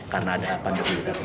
karena ada pandemi